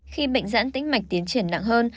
khi bệnh dãn tĩnh mạch tiến triển nặng hơn